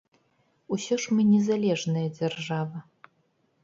Усё ж мы незалежная дзяржава.